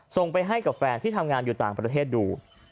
ส่งไปให้กับแฟนที่ทำงานอยู่ต่างประเทศดู